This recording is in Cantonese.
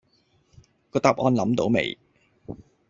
個答案諗到未